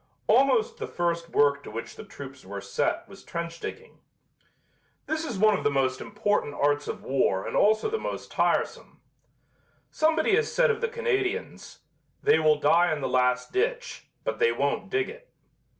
Almost the first work to which the troops were set was trench digging. This is one of the most important arts of war and also the most tiresome. Somebody has said of the Canadians: "They will die in the last ditch, but they won't dig it."